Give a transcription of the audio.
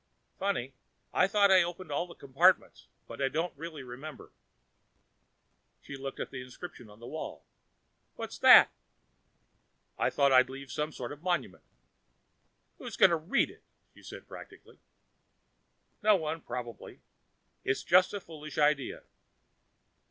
Funny, I thought I opened all the compartments, but I don't really remember " She looked at the inscription on the wall. "What's that?" "I thought I'd leave a sort of monument " "Who's going to read it?" she asked practically. "No one, probably. It was just a foolish idea."